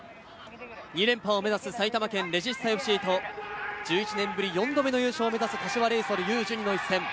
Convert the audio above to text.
２連覇を目指す埼玉県・レジスタＦＣと、１１年ぶり４度目の優勝を目指す柏レイソルＵー１２の一戦。